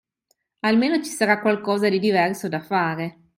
Almeno ci sarà qualcosa di diverso da fare.